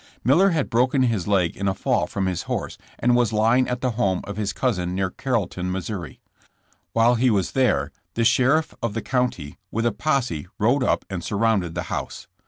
Miller had broken his leg in a fall from his horse and was lying at the home of his cousin near Carrollton, Mo. While he was there the sheriff of the county with a posse rode up and surrounded the house.